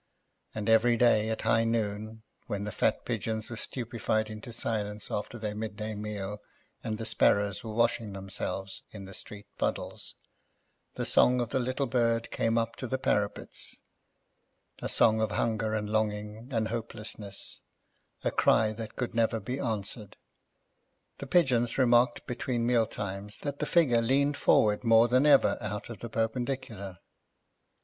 And every day, at high noon, when the fat pigeons were stupefied into silence after their midday meal and the sparrows were washing themselves in the street puddles, the song of the little bird came up to the parapets—a song of hunger and longing and hopelessness, a cry that could never be answered. The pigeons remarked, between mealtimes, that the figure leaned forward more than ever out of the perpendicular.